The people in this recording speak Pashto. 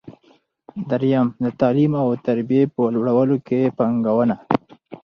درېیم: د تعلیم او تربیې په لوړولو کې پانګونه.